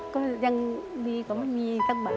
ก็ยังดีก็ไม่มีสักบาท